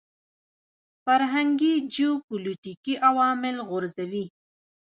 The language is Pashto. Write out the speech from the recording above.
فرهنګي جیوپولیټیکي عوامل غورځوي.